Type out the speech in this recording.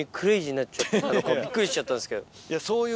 びっくりしちゃったんですけど。